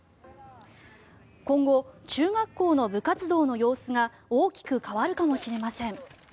今後、中学校の部活動の様子が大きく変わるかもしれません。